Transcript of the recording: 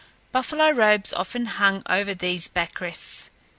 Buffalo robes often hung over these back rests.